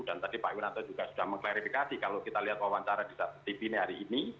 dan tadi pak wiranto juga sudah mengklarifikasi kalau kita lihat wawancara di tv hari ini